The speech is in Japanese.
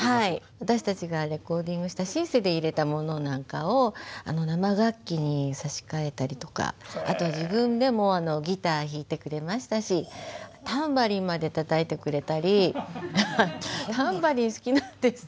私たちがレコーディングしたシンセで入れたものなんかを生楽器に差し替えたりとかあとは自分でもギター弾いてくれましたしタンバリンまでたたいてくれたりタンバリン好きなんです。